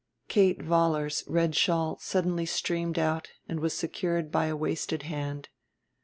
Kate Vollar's red shawl suddenly streamed out and was secured by a wasted hand.